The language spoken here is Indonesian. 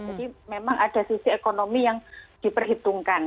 jadi memang ada sisi ekonomi yang diperhitungkan